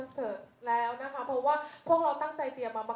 สร้างบุธให้ดี